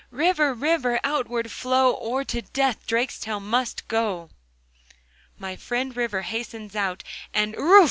'River, River, outward flow, Or to death Drakestail must go.' My friend River hastens out, and errouf!